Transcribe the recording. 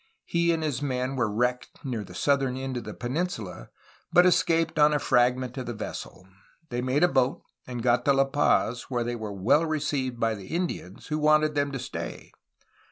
He and his men were wrecked near the southern end of the peninsula, but escaped on a fragment of the vessel. They made a boat and got to La Paz, where they were well received by the Indians, who wanted them to stay.